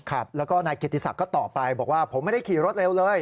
ครับแล้วก็นายเกียรติศักดิ์ก็ตอบไปบอกว่าผมไม่ได้ขี่รถเร็วเลย